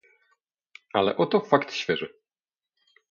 "Ale oto fakt świeży."